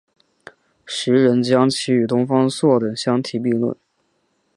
时人将其与东方朔等相提并比。